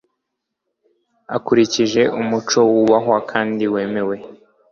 ukurikije umuco wubahwa kandi wemewe